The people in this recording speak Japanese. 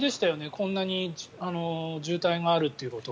こんなに渋滞があるっていうことが。